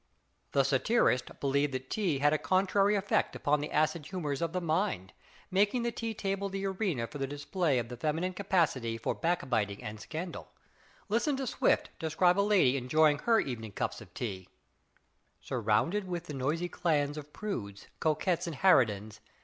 The satirists believed that tea had a contrary effect upon the acid humors of the mind, making the tea table the arena for the display of the feminine capacity for backbiting and scandal. Listen to Swift describe a lady enjoying her evening cups of tea: "Surrounded with the noisy clans Of prudes, coquettes and harridans.